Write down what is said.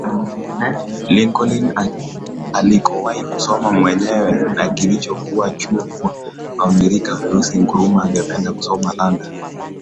Lincoln alikowahi kusoma mwenyewe na kilichokuwa chuo kwa Waamerika Weusi Nkrumah angependelea kusoma London